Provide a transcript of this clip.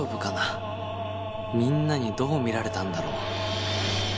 みんなにどう見られたんだろう？